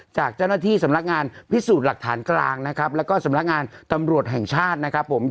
จากเจ้าหน้าที่สำนักงานพิสูจน์หลักฐานกลางนะครับแล้วก็สำนักงานตำรวจแห่งชาตินะครับผม